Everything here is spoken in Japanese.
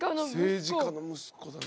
政治家の息子だね。